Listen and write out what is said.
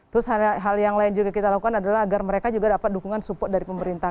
terus hal yang lain juga kita lakukan adalah agar mereka juga dapat dukungan support dari pemerintah